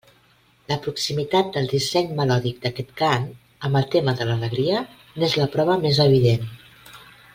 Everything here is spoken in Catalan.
La proximitat del disseny melòdic d'aquest cant amb el tema de l'alegria n'és la prova més evident.